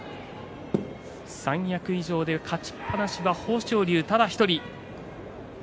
三役以上で勝ちっぱなしは豊昇龍ただ１人。